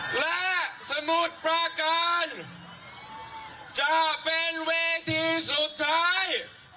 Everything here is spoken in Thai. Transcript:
และสมุดประการจะเป็นเวทีสุดท้าย